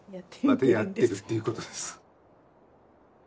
またやってるっていうことです。